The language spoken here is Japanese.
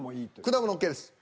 果物ＯＫです。